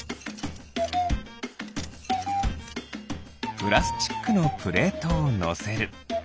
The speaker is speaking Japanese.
プラスチックのプレートをのせる。